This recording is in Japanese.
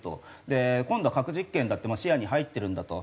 で今度は核実験だって視野に入ってるんだと。